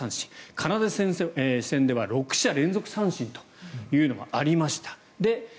カナダ戦では６者連続三振というのがありました。